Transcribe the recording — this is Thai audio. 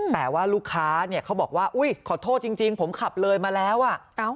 แต่ว่าลูกค้าเขาบอกว่าอุ๊ยขอโทษจริงผมขับเลยมาแล้ว